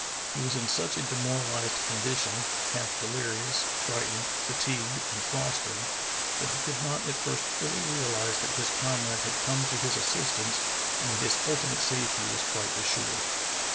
He was in such a demoraHzed condition — half deUrious, frightened, fatigued, and frosted — that he could not at first fully realize that his comrade had come to his assistance and that his ultimate safety was quite assured.